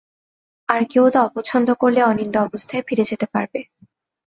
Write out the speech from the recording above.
আর কেউ তা অপছন্দ করলে অনিন্দ্য অবস্থায় ফিরে যেতে পারবে।